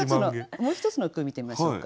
もう一つの句見てみましょうか。